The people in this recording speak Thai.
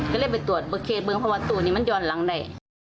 ก็เลยไปตรวจเบอร์เคสเบื้องภาวะตู้นี่มันยอดหลังได้